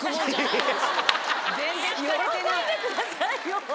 喜んでくださいよ。